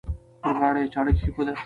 پر غاړه یې چاړه کښېږده.